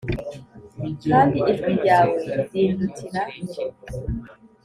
Kandi ijwi ryawe, rindutira,